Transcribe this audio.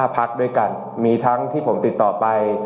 พักด้วยกันมีทั้งที่ผมติดต่อไป